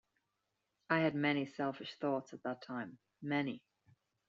I had many selfish thoughts at that time, many!